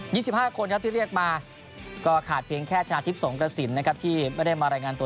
สิบห้าคนครับที่เรียกมาก็ขาดเพียงแค่ชนะทิพย์สงกระสินนะครับที่ไม่ได้มารายงานตัว